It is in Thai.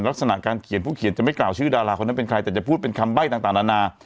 ลักษณะการเขียนผู้เขียนจะไม่กล่าวชื่อดาราคนนั้นเป็นใครแต่จะพูดเป็นคำใบ้ต่างนานา